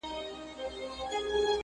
د غفلت په خوب بیده یمه پښتون یم نه خبريږم